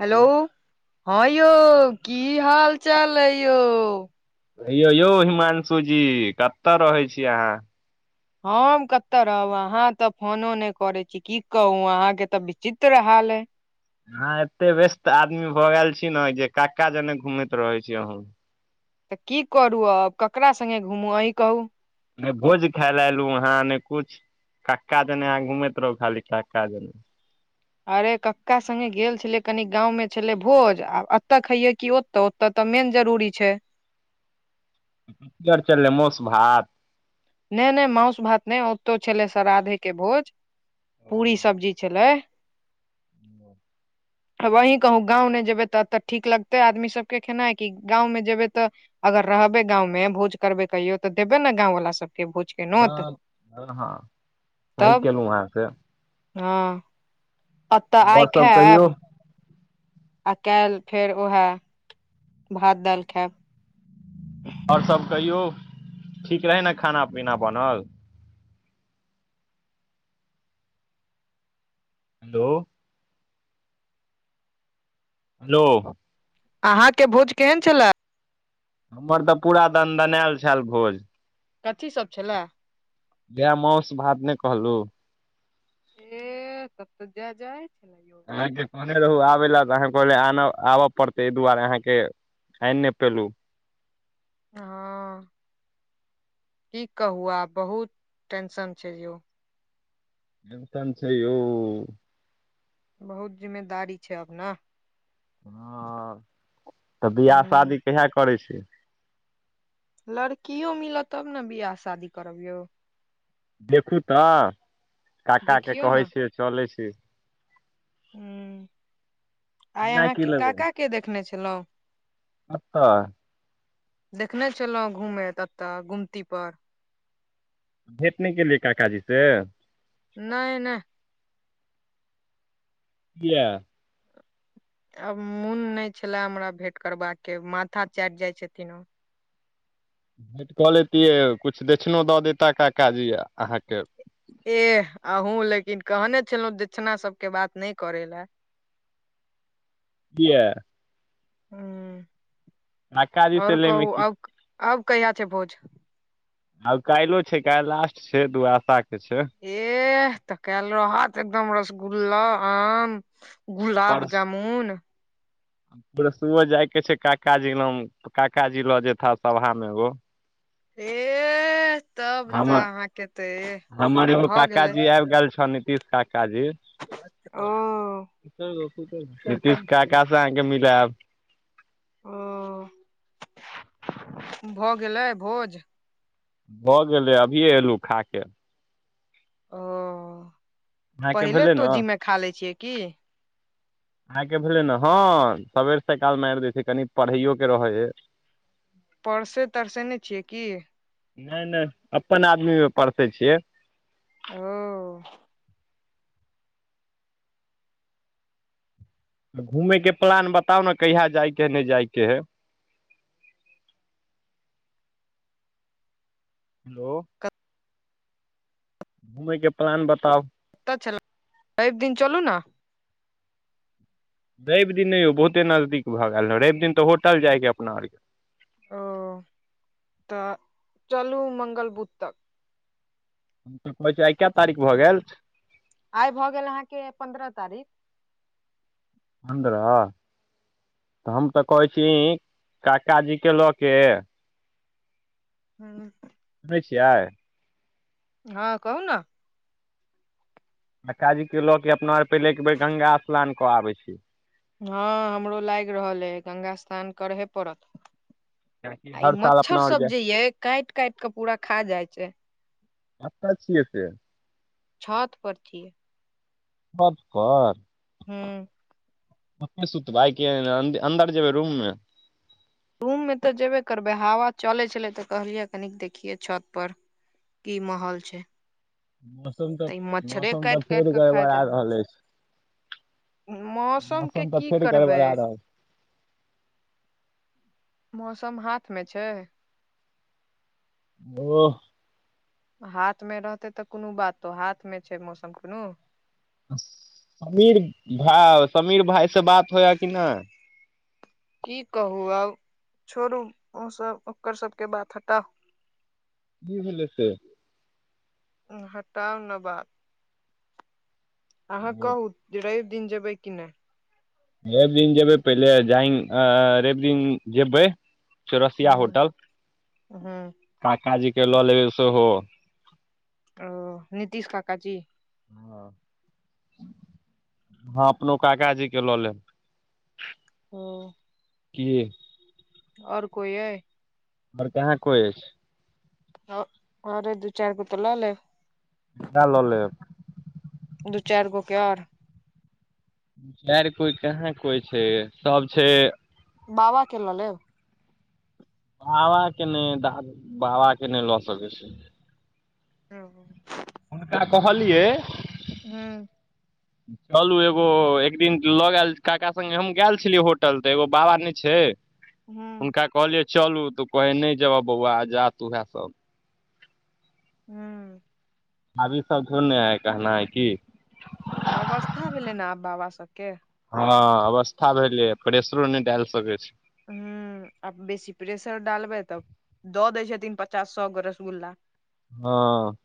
hello हँं यौ की हाल चाल है यौ हे यौ यौ हिमांशु जी कतय रहै छी अहाँ हम कतऽ रहब अहाँ तऽ फोनो नहि करे छी की कहू अहां के तऽ विचित्र हाल आई अहाँ एते व्यस्त आदमी भऽ गेल छी ने जे कक्का जने घुमैत रहे छी अहो तऽ की करू अब ककरा सङ्गे घुमू अहि कहू ने भोज खाय लए एलु वहााँ ने कुछ कक्का जने यहाँ घुमैत रहौ खाली कक्का जने अरे कक्का संगे गेल छलै कनी गाँवमे छलै भोज आ एतऽ खइये कि ओतऽ ओतऽ तऽ मेन जरूरी छै की आर चललै मोस भात नहि नहि मासु भात नहि ओतौ छलै श्रा्धेके भोज पूड़री सबजी छलै ह [inaudible] वही कहू गाँव ने जेबै तऽ एतऽ ठीक लगतै आदमी सबके खेनाइ कि गाँवमे जेबै तऽ अगर रहबे गाँंव में भोज करबै कहियो तऽ देबे ने गाँंवाला सबके भोज के नोत हँ हँ हँ सही तब केलहुँ अहाँसे हँ एतऽ आइ आओर सब कहियौ खाब आ काल्हि फेर उएहे भात दालि खायब आओर सब कहियौ ठीक रहै ने खाना पीना बनल हेलो हेलो अंहां के भोज केहन छलए हमर तऽ पूरा दनदनायल छाल भोज कथी सब छलए साएह मोस भात नहि कहलहु ए ततऽ जय जय आहाँके ने रहु आबै लए तऽ अहाँके कहल आबऽ पड़तै एहि दुआरे अहाँके आनि नहि पेलहु हँ की कहु आब बहुत टेंशन छै यौ टेंशन छै यौ बहुत जिम्मेदारी छै अपना हँ तऽ बियाह ह शादी कहिहा करै छी लड़कियो मिलत तब ने बियाह शादी करब यौ देखू तऽ काकाके देखियौ कहै ने छिय चलै छी हुँ आइ केना की अहाँके काका के देखने छलहुँं कतह देखने छलहुँं घूम एतऽ गुमती पर भेटने केलियै काका जी से नहि नहि किया आब मोन नहि छले हमरा भेट करबाका के माथा चाटि जाय छथिन ओ भेट कऽ लेैतियै किछु दक्षिणो दऽ देता काकााजी य अहाँके एह अहूँ लेकिन कहने छलहुं दक्षिणा सब के बात नहि करे लए किया हुँ काकाजी से आओर लैमे कहू की आब आब कहिया छै भोज आब काल्हि छै काल्हि लास्ट छै दूआदशा के छै एह तऽ कल रहत एकदम रसगुल्ला आम गुलाब जामुन परसो जायके छै काकाजी नाम काकाजी लऽ जेता सभामे एगो ऐ ह - हमर हमर एगो भऽ गेलै काकाजी आबि गेल छ नीतीश काकाजी ओ नितीश काकासँ अहाँके मिलायब ओ भऽ गेलै भोज भऽ गेलै अभिये एलहुँ खाके ओ अहाँके पहिले भेलै ने तोजीमे खा ले छियै की आइके भेले ने हँ सबेर सकाल मारि दै छै कनि पढ़ैयो के रहै ह ह [inaudible] परसे तरसेने छियै की नहि नहि अपन आदमीमे परसै छियै ओ घूमयके प्लान बताउ ने कहिया जायके हइ नहि जायके हइ हेलो घुमयके प्लान बताउ कतऽ छलहुँ रवि दिन चलू ने रवि दिन नहि यौ बहुते नजदीक भऽ गेल रह रवि दिन तऽ होटल जायके अपना आरके ओ तऽ चलू मंगल बुध तऽ औसे आइ क तारीख भऽ गेल आइ भऽ गेल अहाँके पन्द्रह तारीख पन्द्रह तऽ हम तऽ कहैत छी काकाजीके लऽ के ह सुनै छिया हँ कहू ने कक्का जी के लऽ के अपना आर पहिले एक बेेर गंगा स्नान कऽ आबे छी हँ हमरो लागि रहल हइ गंगा स्नान करहे पड़त आ ई हर साल मच्छर अपना आर सब जाय जे ये काटि काटि क पूरा खा जाइ छै कतअ छियै से छत पर छियै छत पर हुँ एतेय सुतबाय अन्दर जेबै रूममे रूम में तऽ जेबे करबै हवा चले छलै तऽ कहलियै कनिक देखिये छत पर की माहौल छै मौसम तऽ ई मच्छरे मौसम तऽ काटि काटि फेर कऽ खा गड़बड़ आ जायत रहल अछि के मौसम तऽ की फेर करबै गड़बड़ा रहल मौसम हाथ मे छै ओ ह हाथ मे रहतै तऽ कोनो बातो हाथ मे छै मौसम कोनो समीर भाय समीर भााय से बात होइया कि नहि की कहू आब छोड़ू ओ सब ओकर सबके बात हटाउ कि भेलै से हटाउ न बात अहाँ ओ कहू राईब दिन जेबै कि नहि रवि दिन जेबै पहिले जाइ रवि दिन जेबै चौरसिया होटल हुँ काक जी के लऽ लेबै सेहो ओ नीतीश कका जी ह हँ अपनो काका जीे लऽ लेब हुँ की आओर कोइ अइ आओर कहाँ कोइ अछि हँ आर दू चारिगो त ललेब साहए ललेब दू चार गो के आऔर आर कोइ कहाँ कोइ छै सब छै बाबा के ल लेब बाबा के नहि दा बाबा के नहि लऽ सकै छी हुँ हुनका कहलियै हुँ [inaudible] चलू एगो एक दिन लऽ गेल काका संगे हम गेल छलियै होटल तऽ एगो बाबा ने छै ह ह हुनका कहलियै चलू तू कहै नहि जेबह बौआ जा तूएह सभ हुँ अभी सब धुन हयै कहनाय की अवस्था भेलै ने आब बाबा सभके हँ अवस्था भेलै प्रेेशरो नहि डालि सकैत छी हुँ अब बेसी प्रेशर डालबै तब दऽ दै छथिन पचास सए गो रसगुल्ला हँ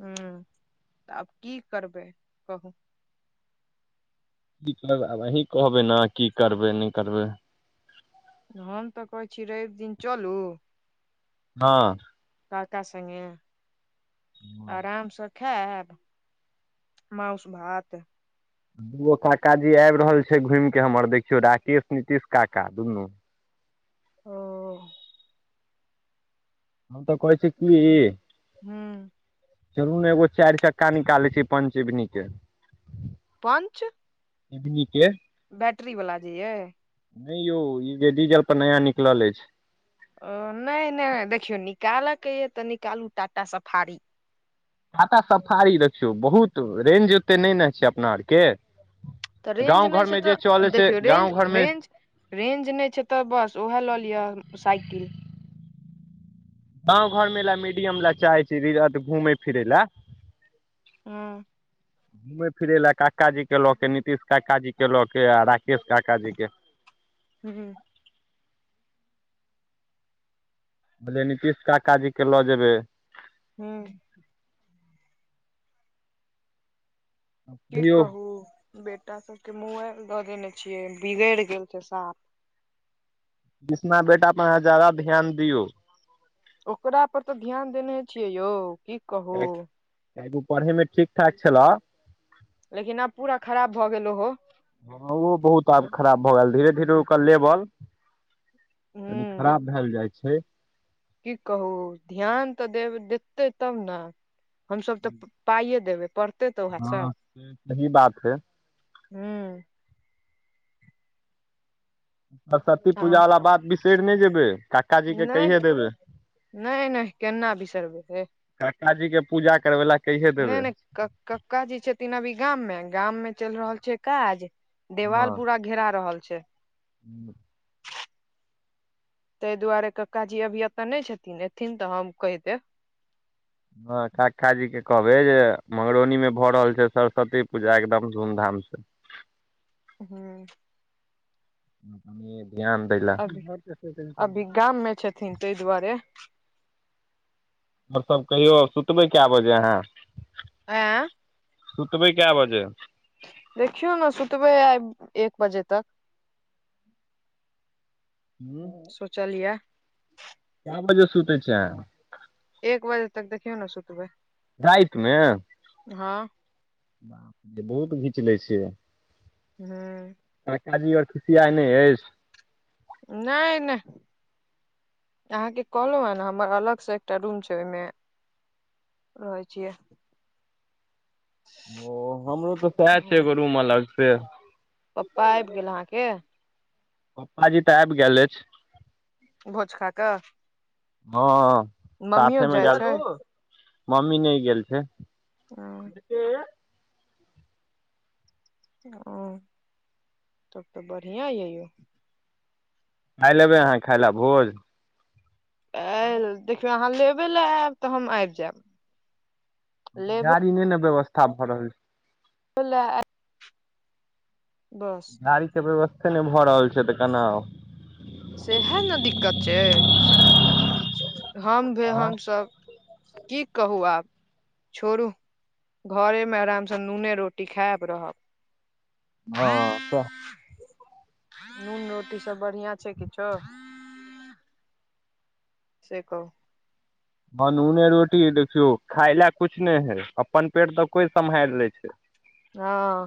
हुँ तऽ आब की करबै कहू की करबै आब अहीँ कहबै ने की करबै नहि करबै हम तऽ कहै छी रवि दिन चलू हँ काका संगे हँ आराम स खैब मउस भात दू गो काकाा जी आबि रहल छै घुमि के हमर देखियौ राकेश नीतीश काका दुनू ओ - हम तऽ कहै छी की हुँ चलु ने एगो चारि चक्का निकालै छै पञचिवनी के पंच इीक के बैटरी वाला जेय नहि यौ ई जे डीजल पर नया निकलल अछि ओ नहि नहि देखियौ निकालयके यए तऽ निकालू टाटा सफारी टाटा सफारी देखियौ बहुत रेंज ओते नहि न छै अपना आओर के तऽ रेंज नहि छै तऽ छै देखियौ रेंज गाँव घरमे रेंज रेंज नहि छै तऽ बस ओएह लऽ लिअ साइकिल गाँव घर मे लए मीडियम लए चाहै छी घूमै फिरै लए हँ घूमै फिरै लए काका जी के लऽ के नितीश काका जी के लऽ के आ राकेश काका जी के ह बोले नीतिश काका जीके लऽ जेबै हँ की कहियौ कहू बेटा सबके मोबाइल द देने छियै बिगड़ि गेल छै साफ किसना बेटा प अहाँ जादा ध्यान दियौ ओकरा पर तऽ ध्यान देने छियै यौ की कहू एगो पढ़े मे ठीक ठाक छलऽ लेकिन आब पूरा खराब भऽ गेल हो हँ ओहो बहुत आब खराब भऽ गेल धीरे धीरे ओकर लेबल तनी ह खराब भेल जाइ छै की कहू ध्यान तऽ देब देतै तब ने हमस तऽ पाइए देबै देतै त ओहे सब हँ से सही बात है हू सरस्वती पूजाा अहाँ वाला बात बिसरि नहि जेबै काकाजी के नहि कहिये देबै नहि नहि केना बिसरबे हे कक्काजी के पूजा करबे ला नहि नहि क कक्का जी छथिन अभी गाम मे गाम मे चलि रहल छै काज देवाल पूरा घेरा रहल छै ह [unintelligible] ताहि दुआरे कक्का जी अभी एत नहि छथिन एथिन तऽ हम कहि देेब हँ कक्काजी के कहबे जे मंगरौनी मे भऽ रहल छै सरस्वती पूजा एकदम धूम धाम से हँ त ध्यान दै लए अभी अभी गाम मे छथिन ताहि दुआरे आओर सब कहियो सुतबै क‌ए बजे अहाँ आँ सुतबै क‌ए बजे देखियौ ने सुतबे आए एक बजे तक हुं सोचलीए कए बजे सुतै छियै अहाँ एक बजे तक देखियौ ने सुतबै राति में हाँ बहुत घीच लै छियै हुं काकी आर खिसीआइ नहि अछि नहि नहि अहाँ के कहलहु हे ने हमर अलग से एकटा रूम छै ओहि में रहै छियै ओ हमरो तऽ सएह छै ह एगो रूम अलग से पप्पा आबि गेल अहाँ के पप्पा जी तऽ आबि गेल अछि भोज खा कऽ हाँ मम्मियो साथे में जाइ गेल छै चलू मम्मी नहि गेल छै हां ऐ हु तब तऽ बढ़िआँ य यौ क़ाल्हि ऐबै अहाँ खायइ लए भोज हँ आयल देखियौ अहाँ लेबे ले आयब तऽ हम आबि जायब लेब गाड़ी नहि ने व्यवस्था भऽ रहल छै ल बस गाड़ी के व्यवस्थे नहि भऽ रहल छै तऽ केना आउ सेहा ने दिक्कत छै हम हमसभ की कहू आब छोड़ू घरे में आराम सँ नूने रोटी खाएब रहब ह से नून रोटी स बढ़िआं छै किछो से कहुं हन नूने रोटी देखियो खाय ले कुछ ने छै अपन पेट तऽ कोई समहाइर लै छै [unintelligible] हा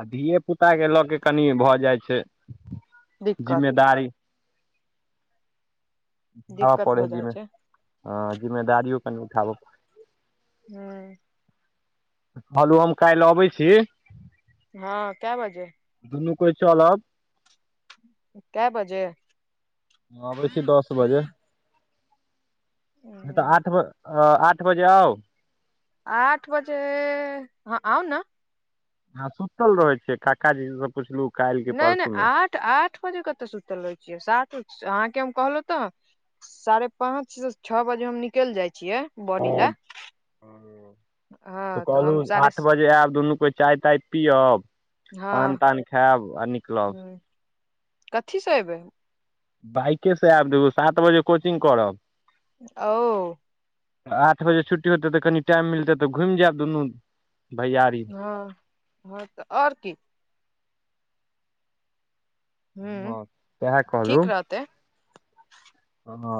आ धिये पुताक के लऽ के कनि भऽ जाइ छै दिक्कत जिम्मेदारी उठाबऽ दिक्कत पड़ै भऽ हइ जि जाइ छै ह जिम्मेदारियो कनि उठाब हुं कहलू हम काल्हि अबै छी हाँ कैए बजे दुनू कोए चलब क‌ए बजे आबै छी दस बजे नहि तऽ हूँ, आठ बजे अऽ आठ बजे आउ आठ बजे हाँ आउ ने आ सुतल रहे छियै काकाजी से पुछलू नै नै आठ आठ बजे कतऽ सुतल रहै छिय अहाँ के हम कहलहुँ तऽ साढ़े पांच से छः बजे हम निकलि जाइ छियै बॉडी लए त हँ तऽ हम कहलहु साढ़े आठ बजे आयब दुनू कोइ चाय ताय पिअब हँ ह कथीसँ एबै बाइके से आयब दबू सात बजे कोचिंग करब ओ आठ बजे छुट्टी होतै तऽ कनि टाइम मिलते तऽ घुम जायब दुनू भैयारी हँ हँ तऽ आओर की हू हँ सएह ठीक रहतेै ह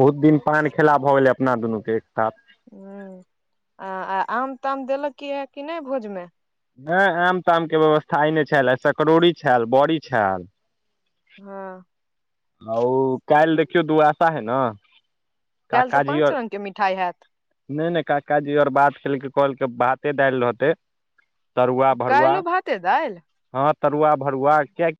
बहुत दिन पान खेला भऽ गेलै अपना दुनू के एकटा ह आ आ आम ताम देलक की हए कि नहि भोजमे ह आम तामके व्यवस्था आय नहि छल आ सकरौरी छल बड़ी छल हँ ओ काल्हि देखियौ दोआदसा हय न काल्हि त पाँच रंग के मिठाइ ह‌एत नहि नहि काकाजी आओर बात केलकै कहलकै भाते दालि रहतै तरुआ भरुआ काल्हिो भाते दालि हँ तरुआ भरुआ क्या